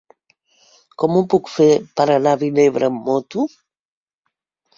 Com ho puc fer per anar a Vinebre amb moto?